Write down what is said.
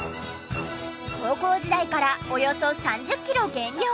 高校時代からおよそ３０キロ減量。